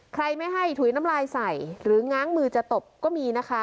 ใครไม่ให้ถุยน้ำลายใส่หรือง้างมือจะตบก็มีนะคะ